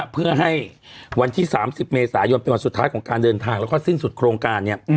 เพื่อให้วันที่๓๐เมษายนเป็นวันสุดท้ายของการเดินทางแล้วก็สิ้นสุดโครงการ